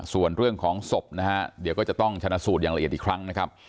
ส่วนเรื่องของศพนะฮะเดี๋ยวก็จะต้องชนะสูตรอย่างละเอียดอีกครั้งนะครับ